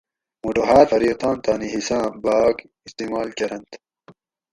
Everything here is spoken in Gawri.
موٹو ھاۤر فریق تان تانی حصاۤں بھاگ استعمال کرنت